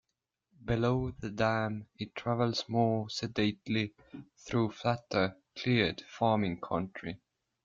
Below the dam, it travels more sedately through flatter, cleared farming country.